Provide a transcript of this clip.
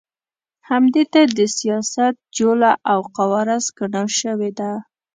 همدې ته د سیاست جوله او قواره سکڼل شوې ده.